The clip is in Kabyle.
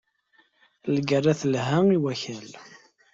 Lgerra telha i wakal.